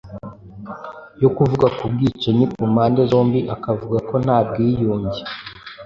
yo kuvuga ku bwicanyi ku mpande zombi, akavuga ko nta bwiyunge